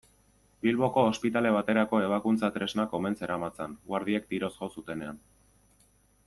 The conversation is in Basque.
Bilboko ospitale baterako ebakuntza-tresnak omen zeramatzan, guardiek tiroz jo zutenean.